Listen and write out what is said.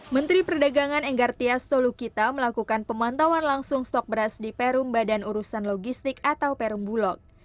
menteri perdagangan enggar tias tolukita melakukan pemantauan langsung stok beras di perum badan urusan logistik atau perum bulog